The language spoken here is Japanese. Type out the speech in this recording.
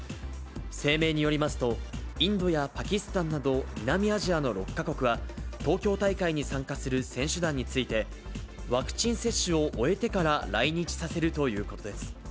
声明によりますと、インドやパキスタンなど南アジアの６か国は、東京大会に参加する選手団について、ワクチン接種を終えてから来日させるということです。